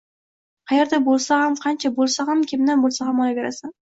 Qayerda bo’lsa ham, qancha bo’lsa ham, kimdan bo’lsa ham olaverasan!